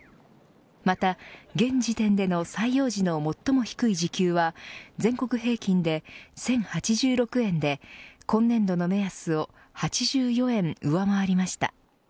また、現時点での採用時の最も低い時給は全国平均で１０８６円で今年度の目安を８４円上回りました。